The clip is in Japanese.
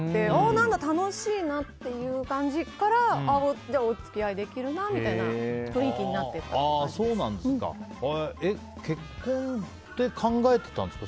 何だ、楽しいなっていう感じからお付き合いできるなみたいな結婚って考えてたんですか？